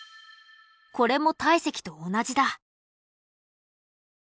これも体積と同じだ。